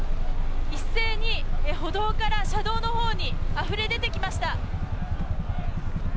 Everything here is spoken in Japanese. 一斉に歩道から車道の方にあふれ出てきました」。